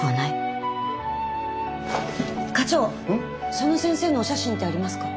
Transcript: その先生のお写真ってありますか？